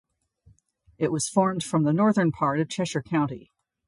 It was formed from the northern part of Cheshire County.